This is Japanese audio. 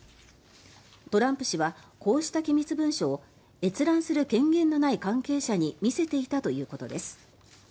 トランプ氏はこうした機密文書を閲覧する権限のない関係者に見せていたということです。